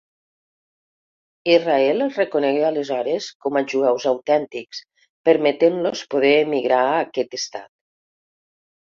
Israel els reconegué aleshores com a 'jueus autèntics', permetent-los poder emigrar a aquest Estat.